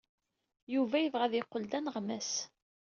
Yuba yebɣa ad yeqqel d aneɣmas.